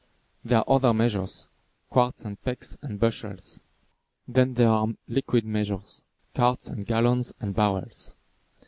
There are other measures, quarts and pecks and bushels. Then there are liquid measures, quarts and gallons and barrels.